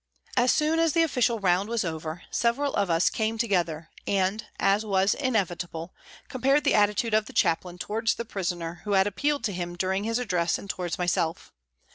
As soon as the official round was over several of us came together and, as was inevit able, compared the attitude of the Chaplain towards the prisoner who had appealed to him during his address and towards myself.